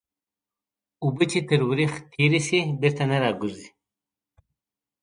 اوبه چې تر ورخ تېري سي بېرته نه راګرځي.